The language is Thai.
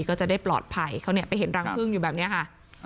ก็จะได้ปลอดภัยเขาเนี่ยไปเห็นรังพึ่งอยู่แบบนี้ค่ะ